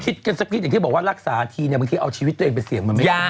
คิดกันสักนิดอย่างที่บอกว่ารักษาทีเนี่ยบางทีเอาชีวิตตัวเองไปเสี่ยงมันไม่ได้